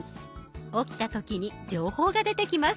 起きた時に情報が出てきます。